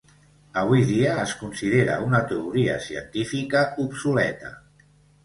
Avui dia es considera una teoria científica obsoleta.